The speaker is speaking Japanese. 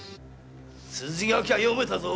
筋書きは読めたぜ。